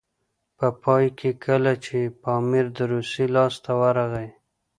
په پای کې کله چې پامیر د روسیې لاسته ورغی.